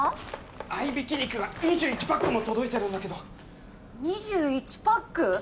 合い挽き肉が２１パックも届いてるんだけど２１パック！？